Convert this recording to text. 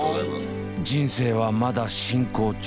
人生はまだ進行中。